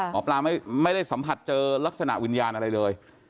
หมอปลาไม่ได้สัมผัสเจอลักษณะวิญญาณอะไรเลย